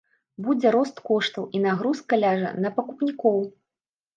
Будзе рост коштаў і нагрузка ляжа на пакупнікоў.